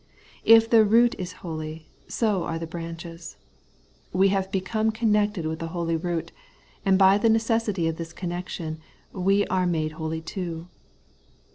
If the root is holy, so are the branches. We have become connected with the holy root, and by the necessity of this connection are made holy too.